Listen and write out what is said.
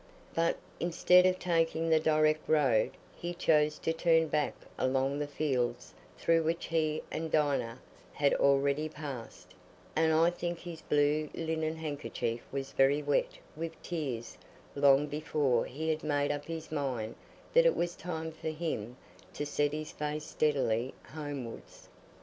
But instead of taking the direct road, he chose to turn back along the fields through which he and Dinah had already passed; and I think his blue linen handkerchief was very wet with tears long before he had made up his mind that it was time for him to set his face steadily homewards.